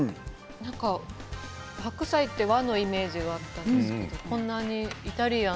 なんか白菜って和のイメージがあったんですけどこんなにイタリアン。